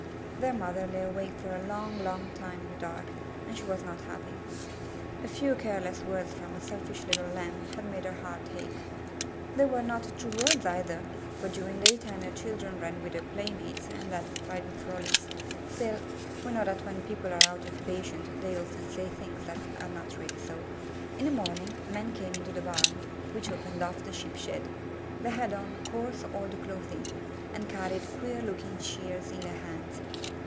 Their mother lay awake 260 IN THE NURSERY for a long, long time in the dark, and she was not happy. A few careless words from a selfish little Lamb had made her heart ache. They were not true words either, for during the daytime her children ran with their playmates and had fine frolics. Still, we know that when people are out of patience they often say things that are not really so. In the morning, men came into the barn, which opened off the Sheep shed. They had on coarse, old clothing, and carried queer looking shears in their hands.